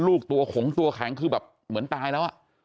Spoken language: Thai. ลูกตัวขงตัวแข็งคือแบบเหมือนตายแล้ว